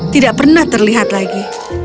tidak pernah terlihat lagi